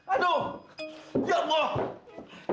aduh ya allah